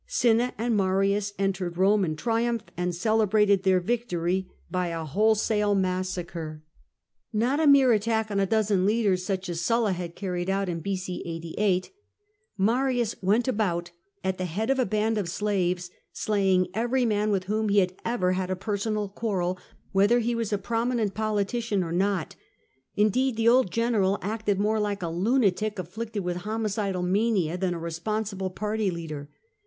. Cinna and Marius entered Rome in triumph, and celebrated their victory by a wholesale 128 SULLA massacre^ not a mere attack on a dozen leaders, suck as Sulla had carried out in B.C. 88. Marius went about at the head of a band of slaves, slaying every man with whom he had ever had a personal quarrel, whether he was a prominent politician or not. Indeed, the old general acted more like a lunatic afflicted with homicidal mania than a responsible party leader.